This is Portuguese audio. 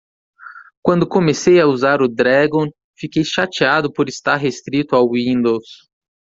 Quando comecei a usar o Dragon?, fiquei chateado por estar restrito ao Windows.